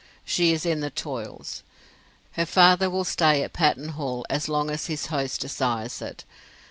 She is in the toils. Her father will stay at Patterne Hall as long as his host desires it.